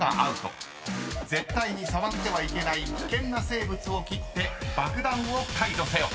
［絶対に触ってはいけない危険な生物を切って爆弾を解除せよ］